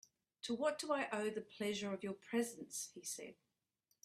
"To what do I owe the pleasure of your presence," he said.